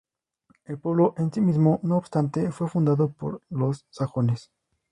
El pueblo en sí mismo, no obstante, fue fundado por los sajones.